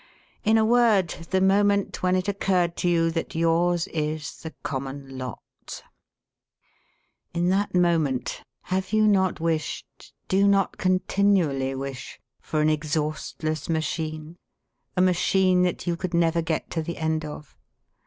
In a word, the moment when it occurred to you that yours is 'the common lot.' In that moment have you not wished do you not continually wish for an exhaustless machine, a machine that you could never get to the end of?